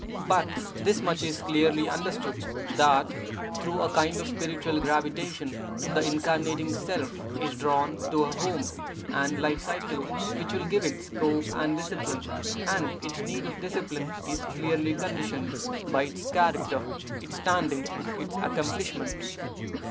But this much is clearly understood: that, through a kind of spiritual gravitation, the incarnating self is drawn to a home and life circle which will give it scope and discipline; and its need of discipline is clearly conditioned by its character, its standing, its accomplishment.